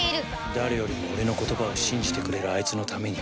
誰よりも俺の言葉を信じてくれるあいつのために。